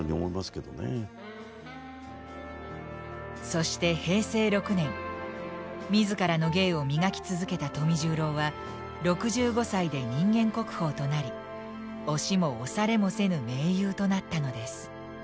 そして平成６年自らの芸を磨き続けた富十郎は６５歳で人間国宝となり押しも押されもせぬ名優となったのです。